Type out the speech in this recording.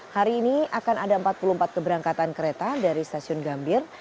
hari ini akan ada empat puluh empat keberangkatan kereta dari stasiun gambir